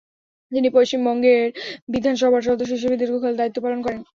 তিনি পশ্চিমবঙ্গের বিধান সভার সদস্য হিসেবে দীর্ঘকাল দায়িত্ব পালন করেন।